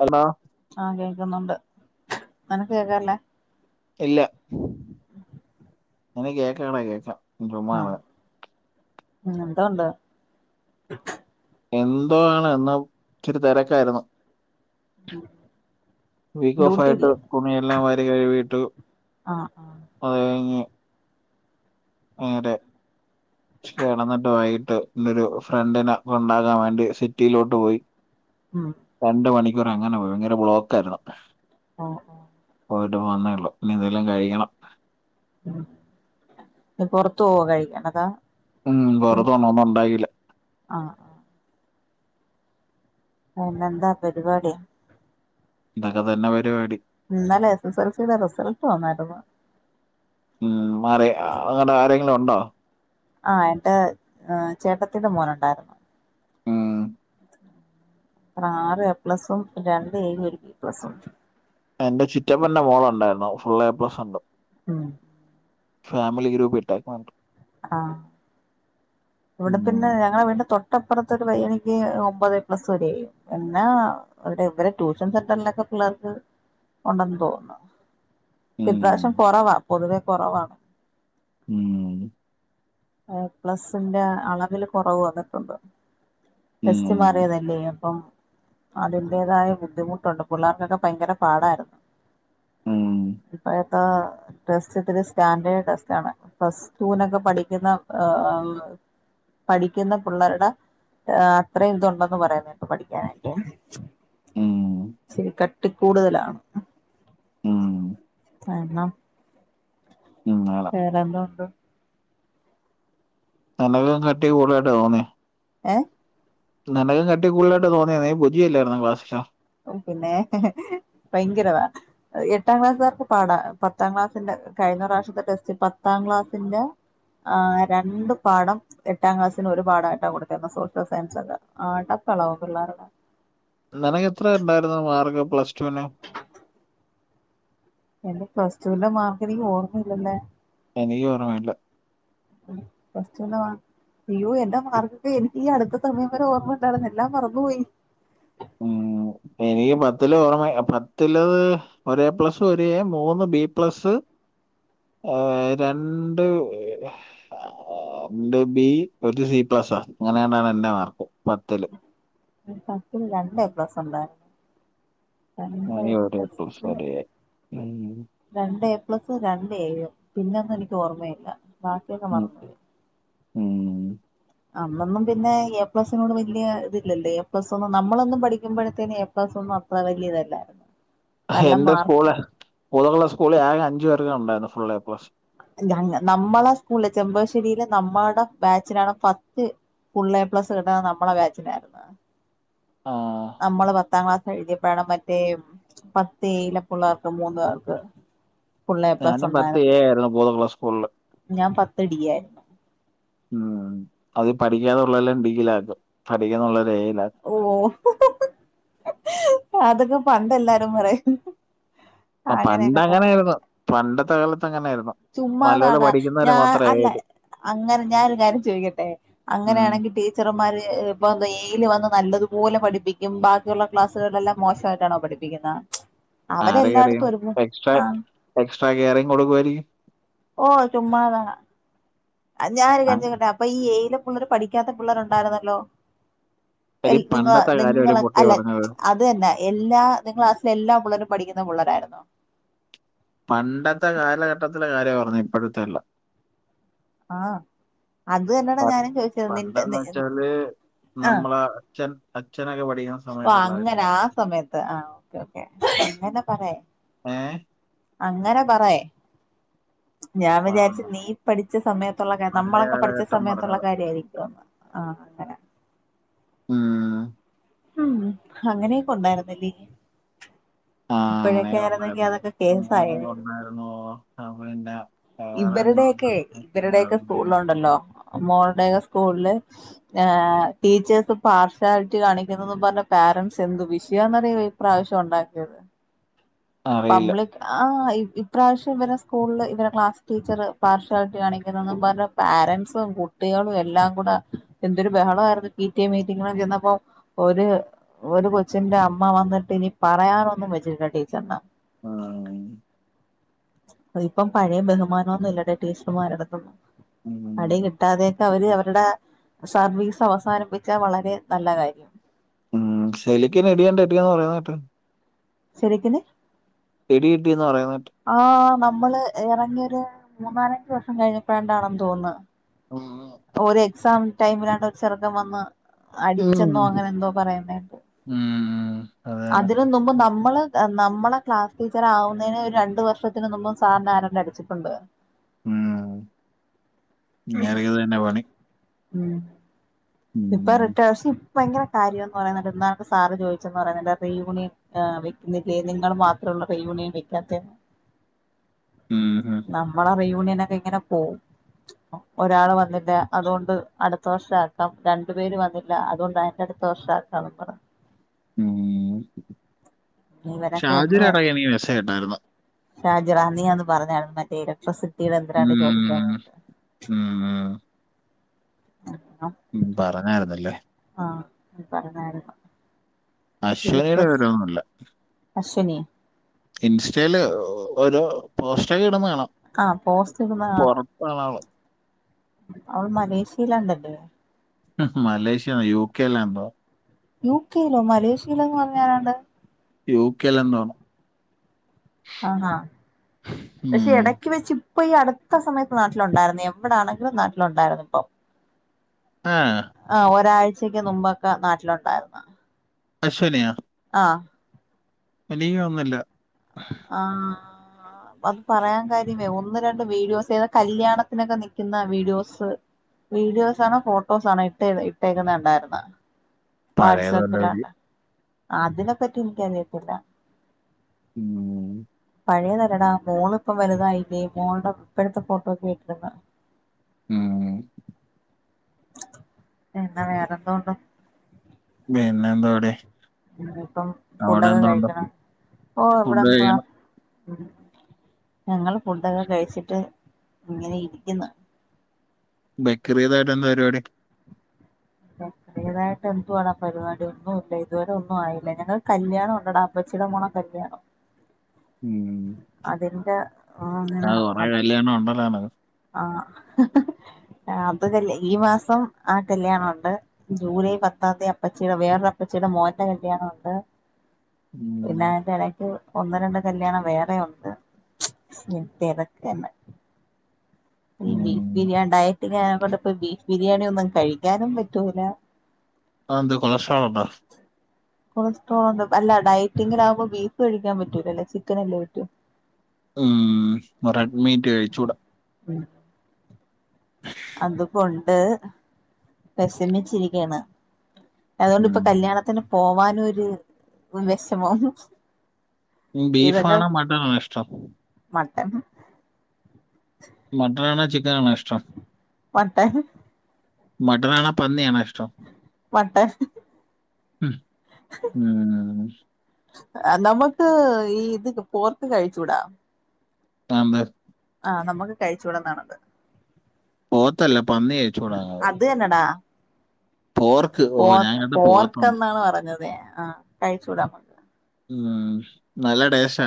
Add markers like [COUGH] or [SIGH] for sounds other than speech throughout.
Hello ആഹ് കേക്കുന്നുണ്ട് നിനക്ക് കേക്കാറില്ലേ ഇല്ല [UNINTELLIGIBLE] കേൾക്കാം കേടാ കേൾക്കാം ആഹ് പിന്നെഎന്ത് ഉണ്ട് എന്തോ ആണ് എന്ന ഇച്ചിരി തിരക്കായിരുന്നു ഉം വീക്ക് ഓഫ് ആയിട്ട് തുണിയെല്ലാം വാരി കഴുകീട്ടു ആഹ് ആഹ് അത്കഴിഞ്ഞ് നേരെ ഇച്ചിരി കിടന്നിട്ട് വൈകിട്ട് ഇൻ്റെഒരു ഫ്രണ്ടിനെ കൊണ്ടാകാൻ വേണ്ടി സിറ്റിയിലോട്ട് പോയി ഉം രണ്ട് മണിക്കൂർ അങ്ങനെ പോയി ഭയങ്കര ബ്ലോക്ക് ആയിരുന്നു ഓ പോയിട്ട് വന്നേള്ളൂ ഇനി എന്തെലും കഴിക്കണം ഉം പൊറത്തു പോവോ കഴിക്കാൻ അതോ ഉം പൊറത്ത് പോണം ഒന്നും ഉണ്ടാകില്ല ആഹ് പിന്നെന്താ പരിപാടി ഇതൊക്കെ തന്നെ പരിപാടി ഇന്നലെ എസ് എസ് എൽ സിയുടെ റിസൾട്ട് വന്നായിരുന്നു ഉം മാറി അവിടെ ആരെങ്കിലും ഉണ്ടോ ആഹ് ഏൻ്റെ ചേട്ടത്തിന്റെ മോനുണ്ടായിര്ന്നു. ഉം, അഹ് ആറ് എ പ്ലസും രണ്ട് എയും ഒരു ബി പ്ലസും എന്റെ ചിറ്റപ്പന്റെ മോളുണ്ടായിര്ന്നു ഫുൾ എ പ്ലസ് ഉണ്ട് ഉം ഫാമിലി ഗ്രൂപ്പ് ഇട്ടേക്ക്ന്നണ്ട്. ആഹ്. ഇവിടെ ഉം. പിന്നെ ഞങ്ങളെ വീടി ൻ്റെതൊട്ടപ്പുറത്ത് ഒരു പയ്യനിക്ക് ഒമ്പത് എ പ്ലസ് ഒരേ എ യുംപിന്നെ. ഇവടെ ഇവരെ ട്യൂഷൻ സെന്ററിലൊക്കെ പിള്ളേർക്ക് ഉണ്ടെന്ന് തോന്നുന്നു. ഇപ്രാവശ്യം കൊറവാ പൊതുവെ കൊറവാണ്. ഉം. ഏ പ്ലസിന്റെ അളവില് കൊറവ് വന്നിട്ടുണ്ട്. ടെസ്റ്റ് മാറിയതല്ലേ അപ്പം. അതിന്റേതായ ബുദ്ധിമുട്ടുണ്ട് പിള്ളേർക്കൊക്കെ ഭയങ്കര പാടായിരുന്നു. ഇപ്പഴത്ത ടെസ്റ്റ് ഇത്തിരി സ്റ്റാൻഡേർഡ് ടെസ്റ്റാണ് പ്ലസ് ടുവിനൊക്കെ പഠിക്കുന്ന ആ പഠിക്ക്ന്ന പിള്ളേര്ടെ. അഹ് അത്രയും ഇതുണ്ടന്ന് പറയുന്നുണ്ട് പഠിക്കാനായിട്ട്. ഉം. ഇചിരി കട്ടി കൂടുതലാണ്. എണ്ണം. [UNINTELLIGIBLE] വെരാന്തണ്ട്. നനകം കട്ടി കൂടായിട്ട് തോന്നി. ഏഹ്. നിനക കട്ടികൂടുതലായിട്ട് തോന്നിയ നി പുജിയല്ലേര്ന്നൊ ക്ലാസില്. ഓഹാ പിന്നെ ഭയങ്കരവാ. എട്ടാം ക്ലാസേർക്ക് പാടാ പത്താം ക്ലാസ്സിന്റെ കഴിഞ്ഞ പ്രാവശ്യത്തെ ടെസ്റ്റ് പത്താം ക്ലാസ്സിന്റെ. ആഹ് രണ്ടു പാടം. എട്ടാം ക്ലാസ്സിന് ഒരുപാടായിട്ടാ കൊടുത്തെ സോഷ്യൽ സയൻസൊക്കെ ആടപ്പളാവോ പിള്ളേരുടെ. നിനക്കെത്ര ഇണ്ടായിരുന്നു മാർക്ക് പ്ലസ് ടുവിന് എന്റെ പ്ലസ് ടുവിന്റെ മാർക്ക് എനിക്ക് ഓർമ്മയില്ലല്ലോ എനിക്കും ഓർമ്മയില്ല പ്ലസ്ടൂൻ്റെ മാർ അയ്യോ എന്റെ മാർക്കൊക്കെ എനിക്ക് ഈ അടുത്ത സമയം വരെ ഓർമ്മ ഉണ്ടായിരുന്ന് എല്ലാം മറന്നുപോയി ഉം, എനിക്ക് പത്തിലെ ഓർമ പത്തില് ഒര് എ പ്ലസ് ഒര് എ മൂന്ന് ബി പ്ലസ്സ് ആഹ് രണ്ട് രണ്ട് ബി ഒരു സി പ്ലസ് അങ്ങനേണ്ടാണ് എന്റെ മാർക്ക് പത്തില് പത്തില് രണ്ട് പ്ലസുണ്ടായിരുന്നു രണ്ട് എ എനിക്ക് ഒരു പ്ലസ് ഒരു എ രണ്ട് എ പ്ലസ് രണ്ട് എയും പിന്നൊന്നും എനിക്ക് ഓർമ്മയില്ല ബാക്കിയൊക്കെ മറന്ന് പോയി ഉം. അന്നൊന്നും പിന്നെ എ പ്ലസിനോട് വല്യ ഇതില്ലല്ലോ എ പ്ലസ് ഒന്നും നമ്മളൊന്നും പഠിക്കുമ്പോഴത്തേനും എ പ്ലസ് ഒന്നും അ ത്ര വല്ല്യ ഇതല്ല എന്റെ സ്കൂള് [UNINTELLIGIBLE] സ്കൂളിൽ ആകെ അഞ്ച് പേർക്കാണ് ഉണ്ടായിരുന്നത് ഫുള്ള് എ പ്ലസ് ഞ നമ്മളെ സ്കൂളിലെ ചെമ്പകശ്ശേരിയിലെ നമ്മളുടെ ബാച്ചിനാണ് പത്ത് ഫുള്ള് എ പ്ലസ് കിട്ടണ നമ്മടെ ബാച്ചിനായിരുന്ന് ആഹ് നമ്മള് പത്താം ക്ലാസ് എഴുതിയപ്പഴാണ് മറ്റേ പത്ത് എയിലെ പിള്ളാർക്ക് മൂന്ന് പേർക്ക് ഫുൾ എ പ്ലസ് ഞാനും പത്ത് ഉണ്ടായിരുന്നു എ ആയിരുന്നു കൊതകുളം സ്കൂളില് ഞാൻ പത്ത് ഡി ആയിരുന്നു ഉം അത് പഠിക്കാത്ത പിള്ളേരെയെല്ലാം ഡിയിൽ ആക്കും പഠിക്കുന്ന പിള്ളേരെ എ യിൽ ആക്കും ഓ അതൊക്കെ പണ്ട് എല്ലാരും പറയും ആഹ് പണ്ട് അങ്ങനെയൊക്കെ പറയും അങ്ങനെയായിരുന്നു പണ്ടത്തെ കാലത്ത് അങ്ങനെയായിരുന്നു നല്ലപോലെ ചുമ്മാതാടാ പഠിക്കുന്നവരെ ഞാൻ മാത്രം അല്ല എയില്. അങ്ങനെ ഞാനൊരു കാര്യം ചോദിക്കട്ടെ ഉം. അങ്ങനെയാണെങ്കി ടീച്ചർന്മാര് ഇപ്പോ എ യില് വന്ന് നല്ലതുപോലെ പഠിപ്പിക്കും ബാ ക്കിയുള്ള ക്ലാസ്സുകളിലെല്ലാം മോശമായിട്ടാണോ പഠിപ്പിക്കുന്നത് ആരൊക്കെ അറിയാം അവരെല്ലായിടത്തും ഒരുപോ എക്സ്ട്രാ ആ എക്സ്ട്രാ കെയറിംഗ് കൊടുക്കുവാരിക്കും ഓ ചുമ്മാതാ ഞാനൊരു കാര്യം അ- ചോദിക്കട്ടെ അപ്പൊ ഈ ഏയിലെ പിള്ളേര് പഠിക്കാത്ത പിള്ളേരുണ്ടായിരുന്നല്ലോ എടി എൽ നിങ്ങ പണ്ടത്തെ കാര്യം ഒരു നിങ്ങള് പൊട്ടി അല്ല പറഞ്ഞത്. അത് തന്നെ എല്ലാ നിങ്ങടെ ക്ലാസ്സിലെ എല്ലാ പിള്ളേരും പഠിക്കുന്ന പിള്ളേരായിരുന്നോ പണ്ടത്തെ കാലഘട്ടത്തിലെ കാര്യവാ പറഞ്ഞേ ഇപ്പോഴത്തെ അല്ല ആഹ് അത് തന്നെയാടാ പ- ഞാനും ചോദിച്ചത് നിന്റെ പണ്ടെന്ന് നീ വെച്ചാല് ആഹ് നമ്മളെ അച്ഛൻ അച്ഛനൊക്കെ പഠിക്കുന്ന ഓ അങ്ങനെ സമയത്തുള്ളായിരുന്നു ആ സമയത്ത് ആ ഓക്കേ ഓക്കേ അങ്ങനെ പറയ് ഏ അങ്ങനെ പറയ് ഞാൻ ആ വിചാരിച്ച് നീ പഠി ച്ച സമയത്തൊള്ള കാര്യം പഴയ നമ്മളൊക്കെ പഠിച്ച കാലഘട്ടം സമയത്തൊള്ള പറഞ്ഞത് കാര്യവായിരിക്കൂന്ന് ആ അങ്ങനെ ഉം ഉം അങ്ങനെയൊക്കെ ഉണ്ടായിരുന്നല്ലേ ആ അങ്ങനെ ഇപ്പഴൊക്കെ ആയിരുന്നെങ്കി ഉണ്ടായിരുന്നു അതൊക്കെ കേസായേനെ അപ്പോ പിന്നെ വേറെ എന്തുണ്ട്? ഇവരുടെയൊക്കെയെ ഇവരുടെയൊക്കെ അറിയില്ല സ്കൂളിൽ ഉണ്ടല്ലോ മോളുടെ സ്കൂളില് ഏ ടീച്ചേഴ്സ് പാർഷ്യാലിറ്റി കാണിക്കുന്നൂന്നും പറഞ്ഞ് പേരന്റ്സ് എന്തു വിഷയമാന്നറിയാവൊ ഇപ്രാവശ്യം ഉണ്ടാക്കിയത് അറിയില്ല. പബ്ലിക് ആ ഇപ്രാവശ്യം ഇവരുടെ സ്കൂളില് ഇവരുടെ ക്ലാസ് ടീച്ചർ പാർഷ്യാലിറ്റി കാണിക്കുന്നെന്നും പറഞ്ഞ് പാരെന്റ്‌സും കുട്ടികളും എല്ലാം കൂടെ എന്തൊരു ബഹളായിരുന്നു പി ടി എ മീറ്റിങ്ങിന് ചെന്നപ്പോ ഒരു ഒരു കൊച്ചിന്റെ അമ്മ വന്നിട്ട് ഇനി പറയാനൊന്നും വെച്ചിട്ടില്ല ടീച്ചർന്നെ ഉം. ഇപ്പം പഴയ ബഹുമാനൊന്നും ഇല്ലഡേ ടീച്ചർന്മാരുടെ അടുത്തൊന്നും ഉം. അടി കിട്ടാതെ ട്ട് അവര് അവരുടെ സർവീസ് അവസാനിപ്പിച്ചാൽ വളരെ നല്ല കാര്യം ശൈലേക്ക് എന്നാ അടി കിട്ടിയേന്ന് പറയണ കേട്ട് ശരിക്കനെ ഇടി കിട്ടി എന്ന് പറയണകെട്ട് ആ നമ്മള് ഇറങ്ങിയൊരു മൂന്നാലഞ്ച് വർഷം കഴിഞ്ഞപ്പോഴണ്ടാണെന്ന് തോന്നുന്ന് ഉം ഉംമ്മ് ഒരു എക്സാം ടൈമിലാട്ട് ഒരു ചെറുക്കൻ വന്ന് ഉം. അടിച്ചെന്നോ അങ്ങനെ എന്തോ പറയണേകേട്ടു ഉം. അതാണ് അതിന് മുമ്പ് നമ്മള് നമ്മളെ ക്ലാസ് ടീച്ചർ ആവുന്നതിന് ഒരു രണ്ടു വർഷത്തിന് മുൻപ് സാറിനെ ആരാണ്ട് അടിച്ചിട്ടുണ്ട് ഉം ഇങ്ങെര്ക്ക് ഇത് തന്നെ പണി ഉം ഇപ്പൊ ഉം. റിട്ടേഷൻ ഭയങ്കര കാര്യംന്ന് പറയുന്നുണ്ട് എന്താണ് സാറ് ചോദിച്ചെന്ന് പറയുന്നുണ്ട് അപ്പ റീ യൂണിയൻ ആ വെക്കുന്നില്ലേ നിങ്ങള് മാത്രേള്ളൂ റീ യൂണിയൻ വെക്കാത്തെന്ന് ഉം ഉംഹ് നമ്മള റീ യൂണിയൻ ഒക്കെ ഇങ്ങനെ പോവും ഒരാള് വന്നില്ല അതുകൊണ്ട് അടുത്ത വർഷം ആ ക്കം രണ്ടു പേരും വന്നില്ല അതുകൊണ്ട് അതിന്റെ അടുത്ത വർഷം ആക്കാന്ന് പറഞ്ഞു ഉംമ് പറഞ്ഞു ഇവനൊക്കെ ഷാജിറ എന്ന് വരും എടാക്കി മെസ്സേജ് ഇട്ടായിരുന്നു ഷാജിറ നീയാന്ന് പറഞ്ഞായിരുന്നു മറ്റേ ഇലക്ട്രിസിറ്റിടെ എന്തിരാണ്ട് ചോദിക്കാൻ ഉം, വേ ഉം ആഹ് ഉ പറഞ്ഞായിരുന്നല്ലേ ആഹ പറഞ്ഞായിരുന്നു അശ്വനിയുടെ വിവരമൊന്നുമല്ല അശ്വനി ഇൻസ്റ്റയില് ഓരോ പോസ്റ്റൊക്കെ ഇടന്ന് കാണാം ആ പോസ്റ്റ്‌ ഇടുന്നെ കാണാം [UNINTELLIGIBLE] അവൾ മലേഷ്യയിലാണ്ടല്ലേ [UNINTELLIGIBLE] മലേഷ്യ യൂ കെല്ലാ എന്തോ യു കെയിലോ മലേഷ്യയിലോന്നന്ന് പറഞ്ഞരാണ്ട് യുകെയിൽ എന്താ ആന്നാ പക്ഷെ ഇടക്ക് വെച്ച് ഇപ്പൊ ഈ അടുത്ത സമയത്ത് നാട്ടിലുണ്ടായിരുന്നു എവിടൊണെങ്കിലും നാട്ടിലുണ്ടായിരുന്നു ഇപ്പൊ ആഹ് ആ ഒരാഴ്ചയ്ക്ക് മുമ്പൊക്കെ നാട്ടിലുണ്ടായിരുന്ന അശ്വനയാ ആഹ് എനിക്ക് തോന്നുന്നില്ല ആഹ് ആ അത് പറയാൻ കാര്യമേ ഒന്ന് രണ്ട് വീഡിയോസ് ഏതാ കല്യാണത്തിനൊക്കെ നിക്കുന്ന വീഡിയോസ് വീഡിയോസ് ആണോ ഫോട്ടോസ ആണോ ഇട്ട് ഇട്ടേക്കുന്നുണ്ടായിരുന്നോ പഴയതല്ല ഒരു വാട്സാപ്പിലാണ്ട അതിനെപ്പറ്റി എനിക്കറിയത്തില്ല ഉം പഴേതല്ലടാ മോൾപ്പം വലുതായില്ലേ മോളുടെ ഇപ്പോഴത്തെ ഫോട്ടോസ്സ് ഒക്കെ ഇട്ടിരുന്ന ഉം പിന്നെ വേറെന്തോണ്ട് പിന്നെന്ത എവടെ ഇപ്പം ഫുഡൊക്കെ കഴിക്കണം ഓ എവിടെ ഫുഡ് എന്തവാ കഴിക്കണം ഞങ്ങള് ഫുഡൊക്കെ കഴിച്ചിട്ട് ഇങ്ങനെ ഇരിക്കുന്നു ബക്രിതായിട്ട് എന്താ പരിപാടി ആഹ എന്തുവാഡാ പരിപാടി ഒന്നുമില്ല ഇതുവരെ ഒന്നും ആയില്ല ഞങ്ങൾ കല്യാണം ഉണ്ടടാ അപച്ചിയുടെ മോളുടെ കല്യാണം ഉം. അതിന്റെ ആ അങ്ങനെ അത [UNINTELLIGIBLE] ആ അത് അല്ലെ ഈ മാസം ആ കല്യാണുണ്ട് ജൂലൈ പത്താം തീയതി അപ്പച്ചിയുടെ വേറൊരു അപ്പച്ചിയുടെ മോന്റെ കല്യാണ ഉണ്ട് ഉം, പിന്നാ അതിന്റെ ഇടക്ക് ഒന്ന് രണ്ട് കല്യാണം വേറെ ഉണ്ട് തെരെക്കെന്നെ ബീഫ് ഉം. ബിരിയാണി ഉണ്ടായിട്ടില്ല [UNINTELLIGIBLE] ബീഫ് ബിരിയാണി ഒന്നും കഴിക്കാനും പറ്റൂല അതെന്ത് കൊളസ്ട്രോൾ ഉണ്ടോ കൊളസ്ട്രോൾ ഒണ്ട് അല്ല ഡയറ്റിങ്ങില ആകുമ്പോ ബീഫ് കഴിക്കാൻ പറ്റൂലല്ല ചിക്കൻ അല്ലേ പറ്റോ ഉം റെഡ്മീറ്റ് കഴിച്ചൂടാ ഉ അത് കൊണ്ട് വിഷമിച്ചിരിക്കയാണ് അതുകൊണ്ട് ഇപ്പൊ ഉം. കല്യാണത്തിന് പോവാനും ഒരു വിഷമോന്നു ബീഫാണോ മട്ടണാണോ ഇഷ്ടം മട്ടൻ മട്ടനാണോ ചിക്കനാണോ ഇഷ്ടം മട്ടൻ മട്ടൻ ആണ പന്നി ആണ ഇഷ്ടം മട്ടൻ ആഹ് നമുക്ക് ഈ ഇത് പോർക്ക് കഴിച്ചുടാ കമ്മൽ ആഹ് നമുക്ക് കഴിചൂടാ എന്നാണ് പോത്തല്ല പന്നി കഴിച്ചൂടാത്തത് അത് തന്നടാ ഓ പോർ ഞാൻ കണ്ട പോർക്ക പോത്താണ് എന്നാണ് പറഞ്ഞത് ആഹ കഴിച്ചൂടാ ഉം നല്ല ടേസ്റ്റാ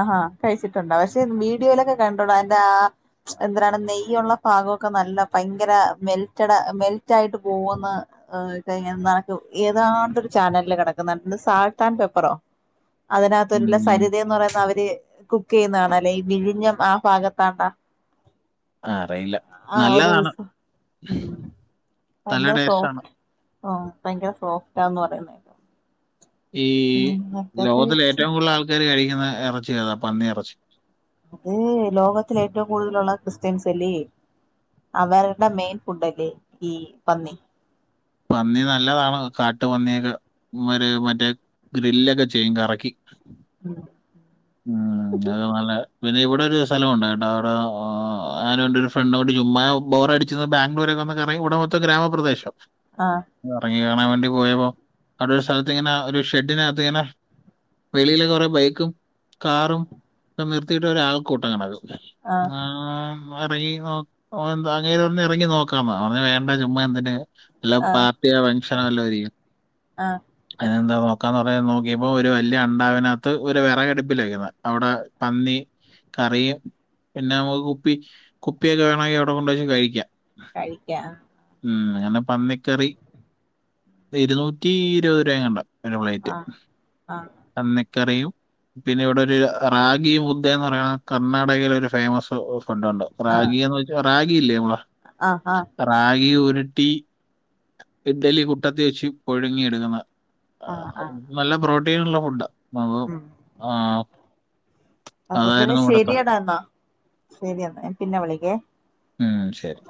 ആഹാ കഴിച്ചിട്ടുണ്ട പക്ഷെ വീഡിയോയിലൊക്കെ കണ്ടോടാ അതിന്റെറെ ആ എന്താണ് നെയ്യുള്ള ഭാഗ്ക്കെ നല്ല ഭയങ്കര മെൽറ്റഡ മെൽറ്റ ആയിട്ട് പോകന്ന് ഏ കഴിഞ്ഞ നിനക്ക് ഏതാണ്ടരു ചാനലില് കിടക്കുന്ന സാൾട്ട് ആൻഡ് പേപ്പറോ അതിനകത്തൊരുള്ള ഉം. സരിതന്ന് പറയുന്നത് അവര് കുക്ക് ചെയ്യുന്നതാണ് അല്ലെ ഈ വിഴിഞ്ഞം ആ ഭാഗത്താണ്ടാ ആ, അറിയില്ല ആഹ ഒരു നല്ലതാണ് നല്ല ഭയങ്കര ടേസ്റ്റാണ് സോഫ്റ്റ് ആ ഭയങ്കര സോഫ്റ്റാന്ന് പറയുന്ന ഈ ഉം അതൊക്കെ ലോകത്തില കഴിച്ചു ഏറ്റവും കൂടുതൽ ആൾക്കാര് കഴിക്കുന്ന ഇറച്ചി ഏതാ പന്നി ഇറച്ചി ഇത് ലോകത്തില ഏറ്റവും കൂടുതലുള്ള ക്രിസ്ത്യൻസ് അല്ലേ അവരുടെ മെയിൻ ഫുഡല്ലേ ഈ പന്നി പന്നി നല്ലതാണ് കാട്ട് പന്നിയൊക്കെ ഒരു മറ്റേ ഗ്രില്ലൊക്കെ ചെയ്യും കറക്കി ഉം ഉം അത് നല്ല പിന്നെ ഇവിടെ ഒരു സ്ഥലംണ്ട കേട്ടോ അവിടെ ആ ഞാനൻ്റെ ഒരു ഫ്രണ്ട്നോട് ചുമ്മാ ബോറടിച്ചന്ന് ബാംഗ്ലൂരക്ക വന്ന കയും ഇവിടെ മൊത്ത ഗ്രാമപ്രദേശം ആഹ ഇറങ്ങി കാണാൻ വേണ്ടി പോയപ്പോൾ അവിടെ ഒരു സ്ഥലത്ത് ഇങ്ങനെ ഒരു ഷെഡിനകത്ത് ഇങ്ങനെ വെളിയിലെ കൊറെ ബൈക്കും കാറും ഒക്കെ നിർത്തിയിട്ട് ഒരാൾ കൂട്ടം കണക്കും ആഹ് ആഹ ഇറങ്ങി നോ എ അങ്ങനേ പറ ഇറങ്ങി നോക്കാംന്നാ പറ വേണ്ട ചുമ് എന്തിന്റെ വല്ലാം ആഹ് പാർട്ടിയോ ഫംഗ്ഷനോ വല്ലോം ആരിക്കും ആഹ് അതിനെന്താ നോക്കാന്ന് പറ നോക്കിയപ്പോ ഒരു വല്ലിയ അണ്ടാവിനകത്ത് ഒരു വിറകടുപ്പിലുന്ന അവിടെ പന്നി കറിയും പിന്നെ നമുക്ക് കുപ്പി കുപ്പിയൊക്കെ വേണെങ്കിൽ അവിടെ കൊണ്ടുവെച്ച കഴിക്കാം കഴിക്ക ഉം അങ്ങനെ പന്നിക്കറി ഇരുന്നൂറ്റി ഇരുപത് രൂപ കണ്ട ഒരു പ്ലേറ്റ് ആഹ് ആഹ് പന്നിക്കറിയും പിന്നെ ഇവിടെ ഒരു റാഗിയ മുദ്ദ എന്ന് പറയണ കർണ്ണാടകൽ ഒരു ഫേമസ് ഫുഡ് ഉണ്ട് ആഹ് റാഗിന്ന് വെച്ചാ റഗി ഇല്ലേ നമ്മള ആഹ് ആഹ് റാഗി ഉരുട്ടി ഇഡ്ഡലി കുട്ടത്തി വെച്ച് പുഴുങ്ങി എടുക്കുന്ന ആഹ് ആഹ് നല്ല പ്രോട്ടീന ഉള്ള ഫുഡ ആഹ് ഉം ആഹ് അപ്പൊ പിന്നെ ശരിയടാ എന്നാ ശരി എന്നാ ഞാൻ പിന്നെ വിളിക്കേ ഉം ശരി